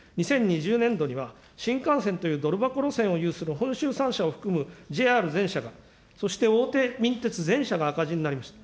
２０２０年度には、新幹線というドル箱路線を有する本州３社を含むＪＲ全社が、そして大手民鉄全社が赤字になりました。